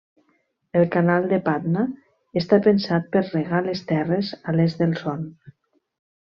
El canal de Patna està pensat per regar les terres a l'est del Son.